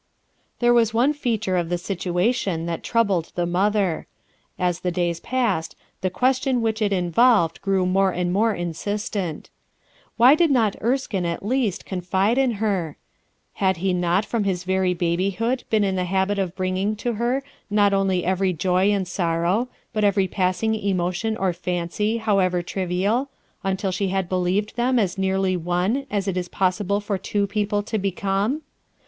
There was one feature of the situation that troubled the mother. As the days passed the question which it involved grew more and more insistent. Why did not Erskine, at least, IDEAL CONDITIONS 79 fide * n her? IIatl he not from llis very i°bybood been in the habit of bringing to her t only every joy and sorrow, but every pass s * emotion or fancy, however trivial, until she Tl believed them as nearly one as it was possi ble for two people to become?